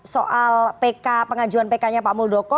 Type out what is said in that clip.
soal pk pengajuan pk nya pak muldoko